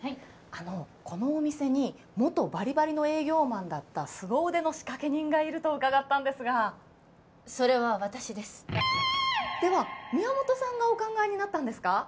あのこのお店に元バリバリの営業マンだったすご腕の仕掛け人がいると伺ったんですがそれは私ですでは宮本さんがお考えになったんですか？